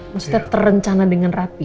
maksudnya terencana dengan rapi